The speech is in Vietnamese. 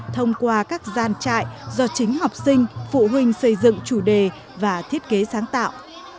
thông qua các gian trại do chính học sinh phụ huynh xây dựng chủ đề và thiết kế sáng tạo